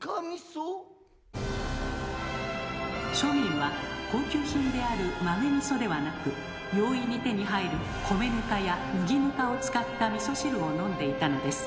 庶民は高級品である豆味噌ではなく容易に手に入る米糠や麦糠を使った味噌汁を飲んでいたのです。